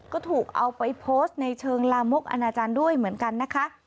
ก็ถูกเอาไปโพสต์ในเชิงลามกอนาจารย์ด้วยเหมือนกันนะคะ